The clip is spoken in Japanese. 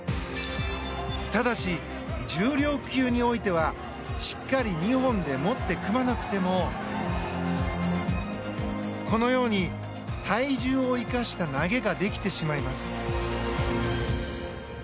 ただし、重量級においてはしっかり二本で持って組まなくてもこのように体重を生かした投げができてしまいます。